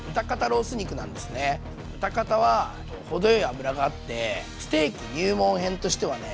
豚肩は程よい脂があってステーキ入門編としてはね